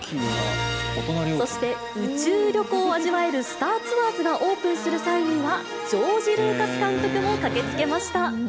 そして、宇宙旅行を味わえるスター・ツアーズがオープンする際には、ジョージ・ルーカス監督も駆けつけました。